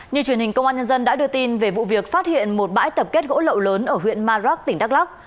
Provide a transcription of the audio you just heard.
như truyền hình công an nhân dân đã đưa tin về vụ việc phát hiện một bãi tập kết gỗ lậu lớn ở huyện marak tỉnh đắk lắc